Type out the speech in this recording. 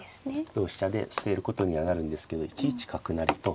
同飛車で捨てることにはなるんですけど１一角成と。